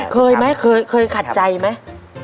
เคยไหมเคยขัดใจไหม